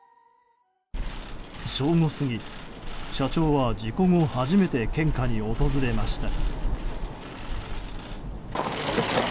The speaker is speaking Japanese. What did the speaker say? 正午過ぎ、社長は事故後初めて献花に訪れました。